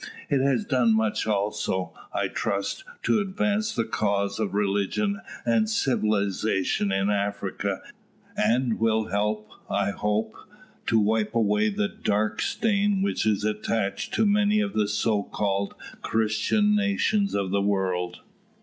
It has done much also, I trust, to advance the cause of religion and civilisation in Africa, and will help, I hope, to wipe away the dark stain which is attached to many of the so called Christian nations of the world.